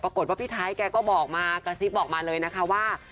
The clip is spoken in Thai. พี่ไทยแกก็บอกมากระซิบบอกมาเลยนะคะว่า